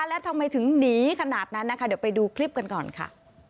แล้วทำไมถึงหนีขนาดนั้นนะคะเดี๋ยวไปดูคลิปกันก่อนค่ะ